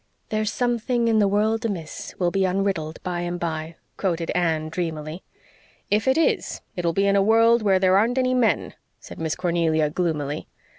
"There's something in the world amiss Will be unriddled by and by," quoted Anne dreamily. "If it is, it'll be in a world where there aren't any men," said Miss Cornelia gloomily.